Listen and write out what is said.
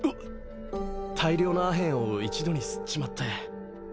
大量のアヘンを一度に吸っちまって。